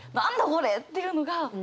これっていうのが！